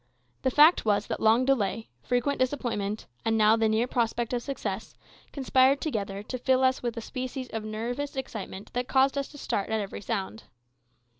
The fact was that long delay, frequent disappointment, and now the near prospect of success, conspired together to fill us with a species of nervous excitement that caused us to start at every sound.